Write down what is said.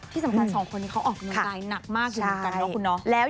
ที่สำคัญสองคนนี้เขาออกกำลังกายหนักมากอยู่เหมือนกันเนาะคุณเนาะ